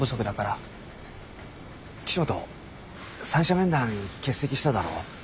岸本三者面談欠席しただろ。